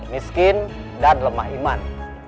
miskin dan lemah iman